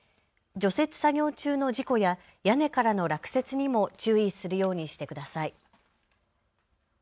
除雪作業中の事故や屋根からの落雪にも注意するようにしてください。